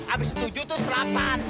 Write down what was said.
abis setuju tuh selatan